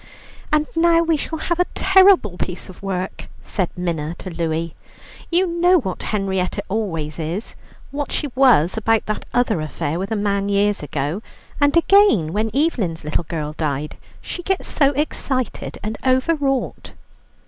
"And now we shall have a terrible piece of work," said Minna to Louie. "You know what Henrietta always is what she was about that other affair with a man years ago, and again when Evelyn's little girl died. She gets so excited and overwrought."